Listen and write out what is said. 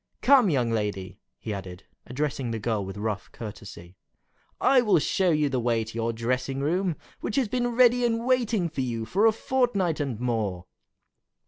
Come, young lady," he added, addressing the girl with rough courtesy, "I will show you the way to your dressing room, which has been ready and waiting for you for a fortnight and more."